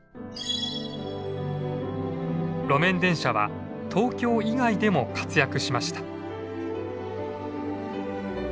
路面電車は東京以外でも活躍しました。